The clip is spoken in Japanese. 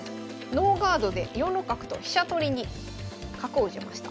ノーガードで４六角と飛車取りに角を打ちました。